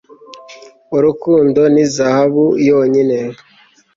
urukundo ni zahabu yonyine